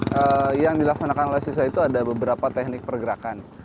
penyelenggaraan oleh siswa itu ada beberapa teknik pergerakan